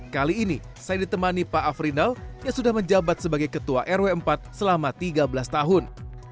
kali ini saya ditemani pak afrinal yang sudah menjabat sebagai ketua rw empat selama tiga belas tahun